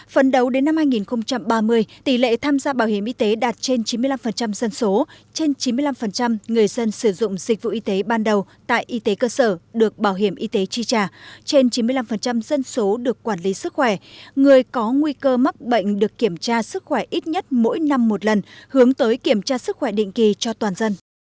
phần đầu đến năm hai nghìn ba mươi tỷ lệ tham gia bảo hiểm y tế đạt trên chín mươi năm dân số trên chín mươi năm người dân sử dụng dịch vụ y tế ban đầu tại y tế cơ sở được bảo hiểm y tế tri trả trên chín mươi năm dân số được quản lý sức khỏe người có nguy cơ mắc bệnh được kiểm tra sức khỏe ít nhất mỗi năm một lần hướng tới kiểm tra sức khỏe định kỳ cho toàn dân